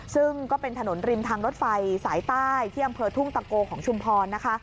ซึ่งก็เป็นถนนริมทางรถไฟสายใต้ที่อำเภอทุ่งตะโกของชุมพรนะคะ